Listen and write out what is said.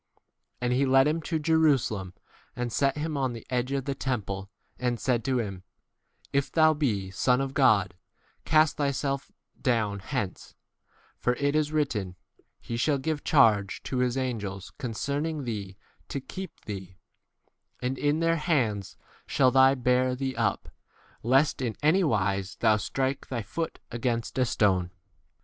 9 And he led him to Jerusalem, and set him on the edge of the temple, and said to him, If thou be e Son of God, cast thyself down hence ; 10 for it is written, He shall give charge to his angels concerning 11 thee to keep thee ; and in [their] hands shall they bear thee up, lest in any wise thou strike thy 12 foot against a stone.